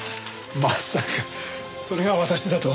まさかそれが私だと？